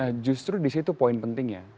nah justru di situ poin pentingnya